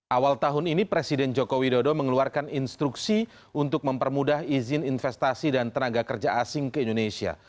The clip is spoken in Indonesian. awal tahun ini presiden joko widodo mengeluarkan instruksi untuk mempermudah izin investasi dan tenaga kerja asing ke indonesia